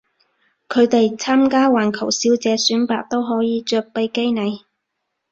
佢哋參加環球小姐選拔都可以着比基尼